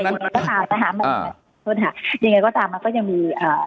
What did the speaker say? ยังไงก็ตามมันก็ยังมี